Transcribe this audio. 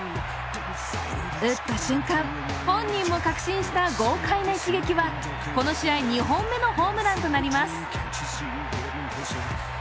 打った瞬間、本人も確信した豪快な一撃はこの試合２本目のホームランとなります。